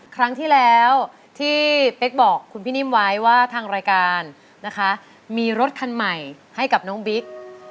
ครั้งที่แล้วที่เป๊กบอกคุณพี่นิ่มไว้ว่าทางรายการนะคะมีรถคันใหม่ให้กับน้องบิ๊ก